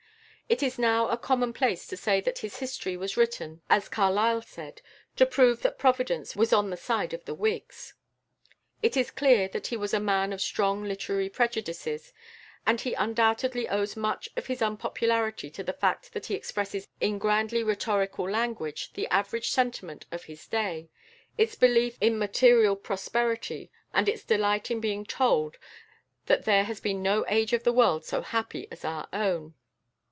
It is now a commonplace to say that his history was written, as Carlyle said, "to prove that Providence was on the side of the Whigs." It is clear that he was a man of strong literary prejudices, and he undoubtedly owes much of his popularity to the fact that he expresses in grandly rhetorical language the average sentiment of his day, its belief in material prosperity, and its delight in being told that there has been no age of the world so happy as our own.